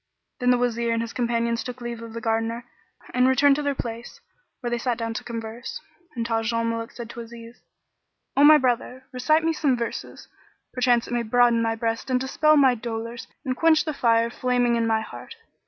Then the Wazir and his companions took leave of the Gardener and returned to their place, where they sat down to converse. And Taj al Muluk said to Aziz, "O my brother, recite me some verses: perchance it may broaden my breast and dispel my dolours and quench the fire flaming in my heart."